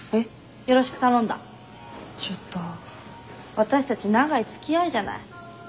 わたしたち長いつきあいじゃない。